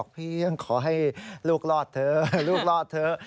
เพียงขอให้ลูกรอดเถอะลูกรอดเถอะ